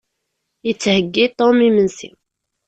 Yettheyyi Tom imensi.